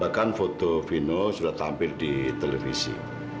bahkan foto vino sudah tampil di televisi